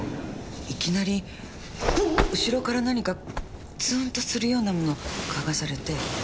いきなりうしろから何かツンとするようなもの嗅がされて。